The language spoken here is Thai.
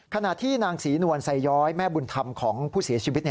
ขณะที่นางศรีนวลไซย้อยแม่บุญธรรมของผู้เสียชีวิต